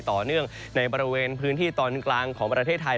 ต่อเนื่องในบริเวณพื้นที่ตอนกลางของประเทศไทย